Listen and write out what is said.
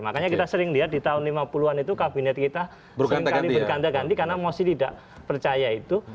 makanya kita sering lihat di tahun seribu sembilan ratus lima puluh an itu kabinet kita seringkali berkanta ganti karena mesti tidak percaya itu